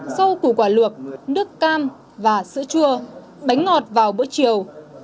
xâu củ quả luộc nước cam và sữa chua bánh ngọt vào buổi chiều